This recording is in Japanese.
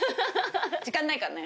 時間ないからね。